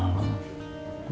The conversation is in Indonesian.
gak ada kendaraan